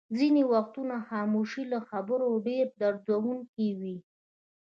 ځینې وختونه خاموشي له خبرو ډېره دردوونکې وي.